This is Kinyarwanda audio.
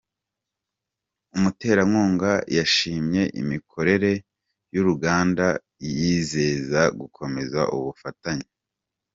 Umuterankunga yashimye imikorere y’uruganda yizeza gukomeza ubufatanye.